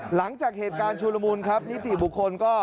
หลังจากเหตุการณ์ชุลมูลครับนิติบุคคลก็